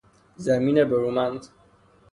زمین برومند